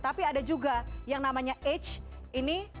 tapi ada juga yang namanya h ini